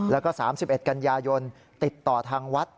แล้วก็๓๑กันยายนติดต่อทางวัด